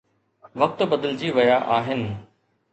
وقت بدلجي ويا آهن.